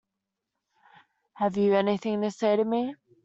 Have you anything to say to me?